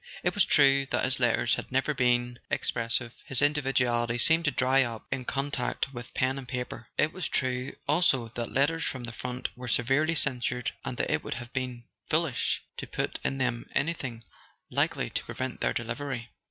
It was true that his letters had never been expressive: his individuality seemed to dry up in contact with pen and paper. It was true also that letters from the front were severely censored, and that it would have been foolish to put in them anything likely to prevent their delivery.